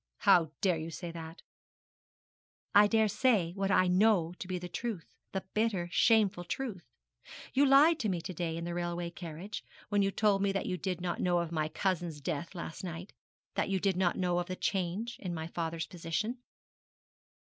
'How dare you say that?' 'I dare say what I know to be the truth the bitter, shameful truth. You lied to me to day in the railway carriage, when you told me that you did not know of my cousins' death last night that you did not know of the change in my father's position.'